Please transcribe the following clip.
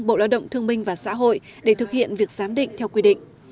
bộ lao động thương minh và xã hội để thực hiện việc giám định theo quy định